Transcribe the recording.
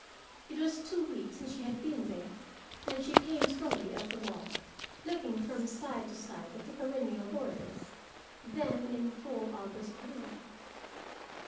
It was two weeks since she had been there, and she came slowly up the walk, looking from side to side at the perennial borders, then in full August bloom.